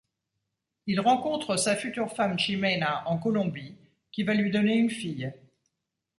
Il rencontre sa future femme Ximena en Colombie qui va lui donner une fille.